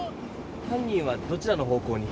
犯人はどちらの方向に？